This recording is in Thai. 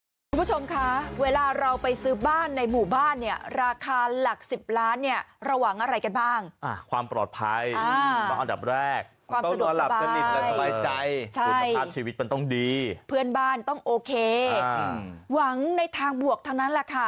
สวัสดีคุณผู้ชมค่ะเวลาเราไปซื้อบ้านในหมู่บ้านเนี่ยราคาหลัก๑๐ล้านเนี่ยระหว่างอะไรกันบ้างความปลอดภัยอันดับแรกความสะดวกสบายในชีวิตเป็นต้องดีเพื่อนบ้านต้องโอเคหวังในทางบวกเท่านั้น